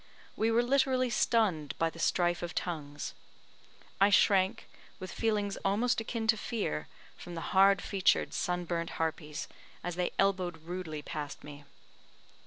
We were literally stunned by the strife of tongues. I shrank, with feelings almost akin to fear, from the hard featured, sun burnt harpies, as they elbowed rudely past me.